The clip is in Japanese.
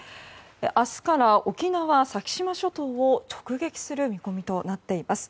明日から沖縄・先島諸島を直撃する見込みとなっています。